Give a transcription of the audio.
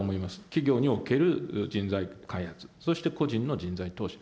企業における人材開発、そして個人の人材投資。